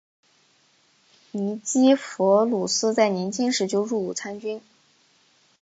尼基弗鲁斯在年轻时就入伍参军。